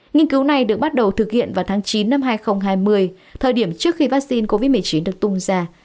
nghiên cứu này được bắt đầu thực hiện vào tháng chín năm hai nghìn hai mươi thời điểm trước khi vaccine covid một mươi chín được tung ra